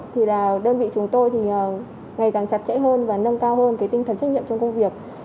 thì là đơn vị chúng tôi thì ngày càng chặt chẽ hơn và nâng cao hơn cái tinh thần trách nhiệm trong công việc